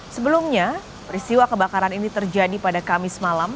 sebelumnya peristiwa kebakaran ini terjadi pada kamis malam